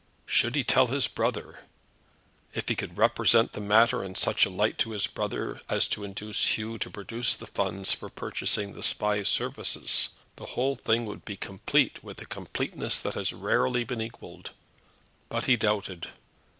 Should he tell his brother? If he could represent the matter in such a light to his brother as to induce Hugh to produce the funds for purchasing the Spy's services, the whole thing would be complete with a completeness that has rarely been equalled. But he doubted.